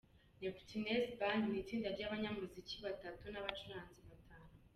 Neptunez Band; ni itsinda ry'abanyamuziki batatu n'abacuranzi batanu.